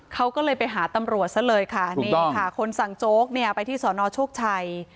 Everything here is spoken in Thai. เขาก็เลยไปหาตำรวจซะเลยค่ะคุณสั่งโจ๊กไปที่สนโชคชัย